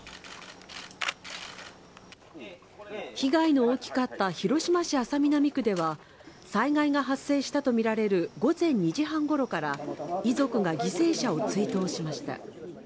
被害の大きかった広島市安佐南区では災害が発生したとみられる午前２時半ごろから遺族が犠牲者を追悼しました。